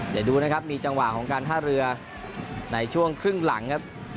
เดี๋ยวดูนะครับมีจังหวะของการท่าเรือในช่วงครึ่งหลังครับ